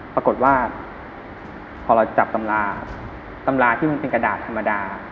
ปรากฏว่าพอเราจับตำราตำราที่มันเป็นกระดาษธรรมดา